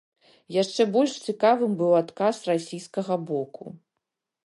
Яшчэ больш цікавым быў адказ расійскага боку.